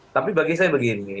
tapi bagi saya begini